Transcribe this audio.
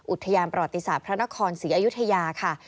อุทยานประวัติศาสตร์พระนครศรีอยุธยาค่ะ